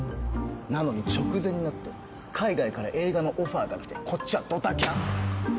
なのに直前になって海外から映画のオファーが来てこっちはドタキャン。